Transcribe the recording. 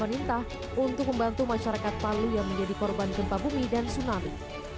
pemerintah untuk membantu masyarakat palu yang menjadi korban gempa bumi dan tsunami